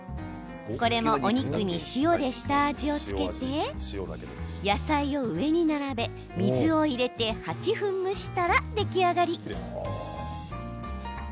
これも、お肉に塩で下味を付けて野菜を上に並べ水を入れて８分蒸したら出来上がり。